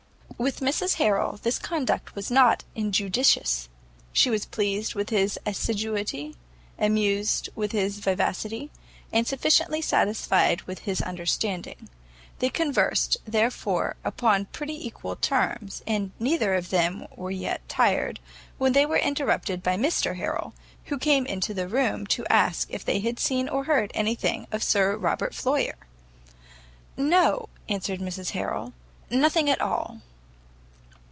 With Mrs Harrel this conduct was not injudicious; she was pleased with his assiduity, amused with his vivacity, and sufficiently satisfied with his understanding. They conversed, therefore, upon pretty equal terms, and neither of them were yet tired, when they were interrupted by Mr Harrel, who came into the room, to ask if they had seen or heard any thing of Sir Robert Floyer? "No," answered Mrs Harrel, "nothing at all."